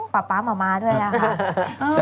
ป๊าป๊าหม่าม้าด้วยอะค่ะ